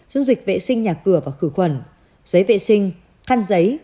dung dịch vệ sinh nhà cửa và khử khuẩn giấy vệ sinh than giấy